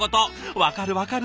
分かる分かる！